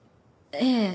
ええ。